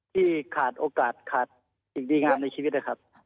ที่ขาดโอกาสขาดสิ่งดีงามในชีวิตนะครับ